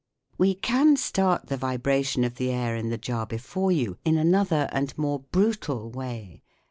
We can start the vibration of the air in the jar before you in another and more brutal way.